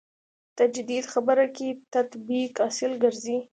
تجدید خبره کې تطبیق حاصل ګرځي.